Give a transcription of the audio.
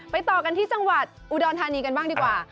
ต่อกันที่จังหวัดอุดรธานีกันบ้างดีกว่า